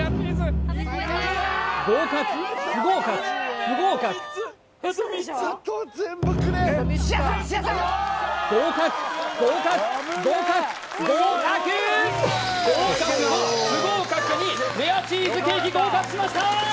合格不合格不合格合格合格合格合格合格５不合格２レアチーズケーキ合格しました